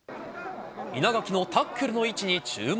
稲垣のタックルの位置に注目